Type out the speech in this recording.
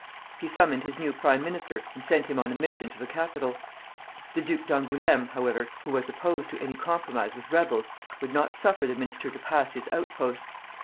He summoned his new prime minister and sent him on a mission to the capital. The Duc d'Angoulême, however, who was opposed to any compromise with rebels, would not suffer the minister to pass his outposts.